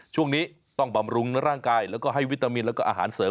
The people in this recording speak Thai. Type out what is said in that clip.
ช่วงนี้ต้องบำรุงร่างกายแล้วก็ให้วิตามินแล้วก็อาหารเสริม